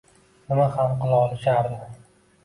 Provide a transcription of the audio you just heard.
Nima ham qila olishardi